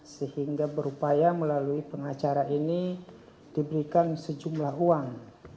sehingga berupaya melalui pengacara ini diberikan sejumlah uang